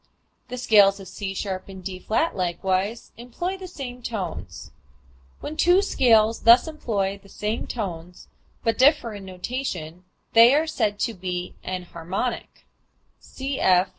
The scales of C[sharp] and D[flat] likewise employ the same tones. When two scales thus employ the same tones but differ in notation they are said to be enharmonic, (cf.